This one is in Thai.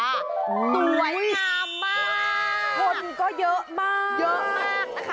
สวยงามมากคนก็เยอะมาก